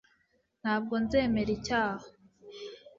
ntabwo nzemera icyaha